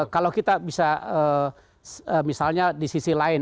kalau kita bisa misalnya di sisi lain